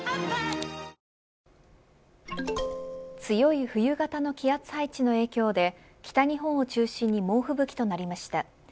ＪＴ強い冬型の気圧配置の影響で北日本を中心に猛吹雪となりました。